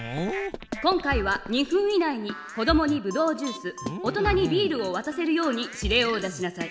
今回は２分以内に子どもにブドウジュース大人にビールをわたせるように指令を出しなさい。